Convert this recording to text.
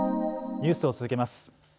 ニュースを続けます。